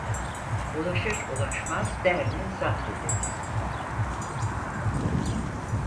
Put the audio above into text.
Ulaşır ulaşmaz Derne zapt edildi.